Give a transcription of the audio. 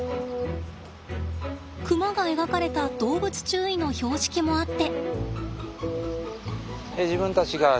クマが描かれた動物注意の標識もあって。